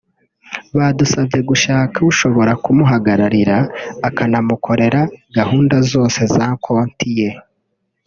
Badusabye gushaka ushobora kumahagararira akanamukorera gahunda zose za konti ye